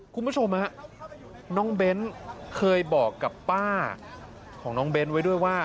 คุณผู้ชมฮะน้องเบ้นเคยบอกกับป้าของน้องเบ้นไว้ด้วยว่า